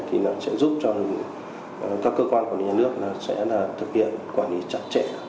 thì nó sẽ giúp cho các cơ quan của nhà nước sẽ thực hiện quản lý chặt chẽ